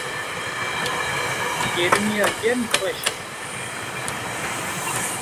gêrmiya germ xweş e